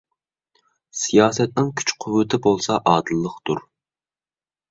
سىياسەتنىڭ كۈچ - قۇۋۋىتى بولسا ئادىللىقتۇر.